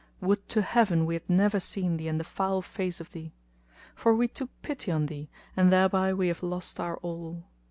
Would to Heaven we had never seen thee and the foul face of thee! For we took pity on thee and thereby we have lost our all.